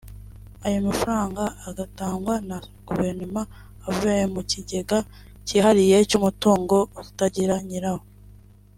ayo mafaranga agatangwa na Guverinoma avuye mu kigega cyihariye cy’umutungo utagira nyirawo